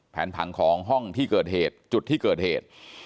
ผังของห้องที่เกิดเหตุจุดที่เกิดเหตุ